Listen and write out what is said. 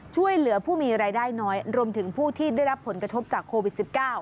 ช่วยเหลือผู้มีรายได้น้อยรวมถึงผู้ที่ได้รับผลกระทบจากโควิด๑๙